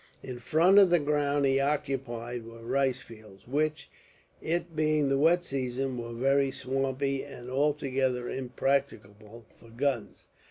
In front of the ground he occupied were rice fields, which, it being the wet season, were very swampy, and altogether impracticable for guns.